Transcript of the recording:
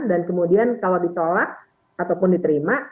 dan kemudian kalau ditolak ataupun diterima